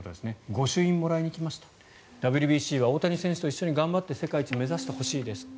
御朱印をもらいに来ましたＷＢＣは大谷選手と一緒に頑張って世界一を目指してほしいです。